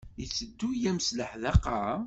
Yetteddu-am s leḥdaqa?